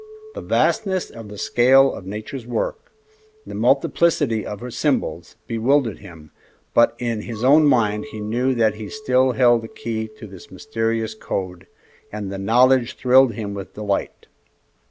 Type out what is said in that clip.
The vastness of the scale of Nature's work, the multiplicity of her symbols, bewildered him, but in his own mind he knew that he still held the key to this mysterious code, and the knowledge thrilled him with delight.